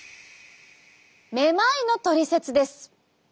「めまい」のトリセツです！